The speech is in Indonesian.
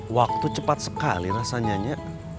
waktu cepat sekali rasanya